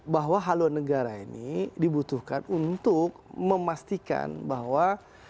bahwa haluan negara ini dibutuhkan untuk memastikan bahwa